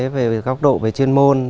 về góc độ chuyên môn